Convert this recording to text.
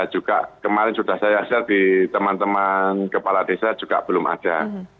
juga kemarin sudah saya share di teman teman kepala desa juga belum ada